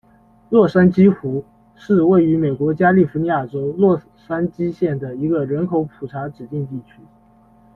洛杉矶湖是位于美国加利福尼亚州洛杉矶县的一个人口普查指定地区。